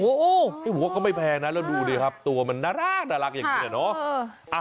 โอ้โหบอกว่าก็ไม่แพงนะแล้วดูดิครับตัวมันน่ารักอย่างนี้เนอะ